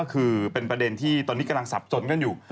คือเป็นประเด็นที่ตอนนี้กำลังสับสนกันอยู่